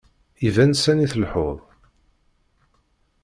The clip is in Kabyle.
Iban sani tleḥḥuḍ.